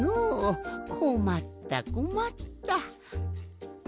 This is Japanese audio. こまったこまった。